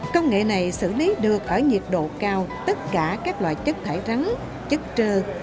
công nghệ này xử lý được ở nhiệt độ cao tất cả các loại chất thải rắn chất trơ